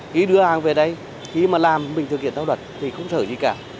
khi đưa hàng về đây khi mà làm mình thực hiện thao đoạn